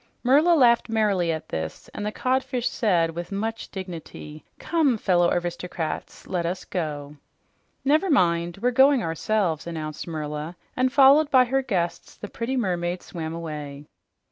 Merla laughed merrily at this, and the codfish said, with much dignity, "Come, fellow aristocrats, let us go." "Never mind, we're going ourselves," announced Merla, and followed by her guests the pretty mermaid swam away.